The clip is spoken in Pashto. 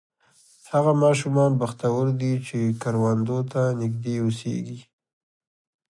هغه ماشومان بختور دي چې کروندو ته نږدې اوسېږي.